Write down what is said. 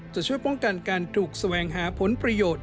จะช่วยป้องกันการปลูกแสวงหาผลประโยชน์